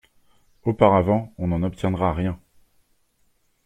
Auparavant on n'en obtiendra rien.